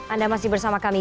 anda masih bersama kami